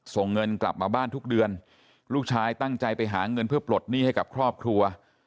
ส่งเงินกลับมาบ้านทุกเดือนลูกชายตั้งใจไปหาเงินเพื่อปลดหนี้ให้กับครอบครัว